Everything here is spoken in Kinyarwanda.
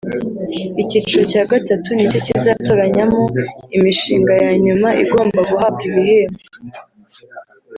Icyiciro cya gatatu nicyo kizatoranyamo imishinga ya nyuma igomba guhabwa ibihembo